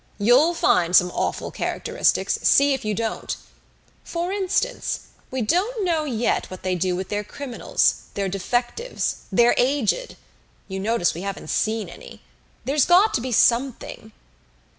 You'll find some awful characteristics see if you don't! For instance we don't know yet what they do with their criminals their defectives their aged. You notice we haven't seen any! There's got to be something!"